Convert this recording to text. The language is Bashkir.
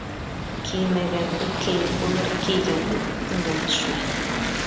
Кеймәгәнде кейеп булыр, кейгәнең өҫтөндән төшмәһен.